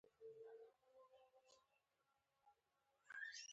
د احمد دوه وروڼه سږ کال له ښوونځي څخه په اول لمبر کورته راغلل.